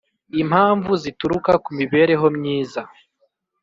impamvu zituruka kumibereho myiza